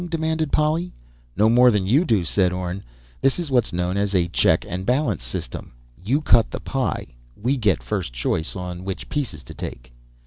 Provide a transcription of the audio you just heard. demanded Polly. "No more than you do," said Orne. "This is what's known as a check and balance system. You cut the pie. We get first choice on which pieces to take."